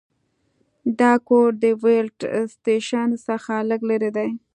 دا کور د ویلډ سټیشن څخه لږ لرې دی